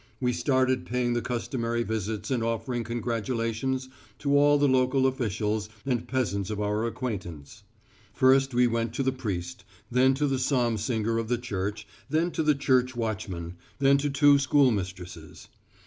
We started paying the customary visits and offering congratulations to all the local officials and peasants of our acquaintance. First we went to the priest, then to the psalm singer of the church, then to the church watchman, then to the two school mistresses.